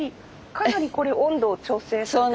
かなりこれ温度を調整されてるんですか？